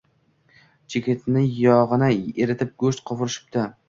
Chigitni yog‘ini eritib go‘sht qovurishibdi.